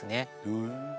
へえ。